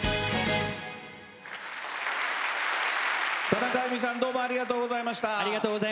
田中あいみさんどうもありがとうございました。